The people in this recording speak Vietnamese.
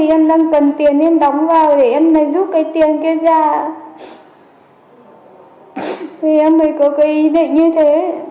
em mới giúp cái tiền kia ra em mới có cái ý định như thế